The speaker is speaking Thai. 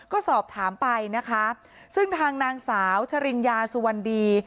ก็สอบถามไปนะคะซึ่งทางนางสาวชริญญาสุวรรณดี